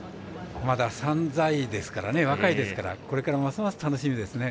まだ３歳ですから若いですからこれから、ますます楽しみです。